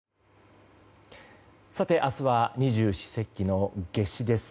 さて、明日は二十四節気の夏至です。